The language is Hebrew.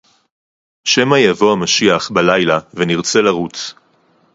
שמא יבוא המשיח בלילה ונרצה לרוץ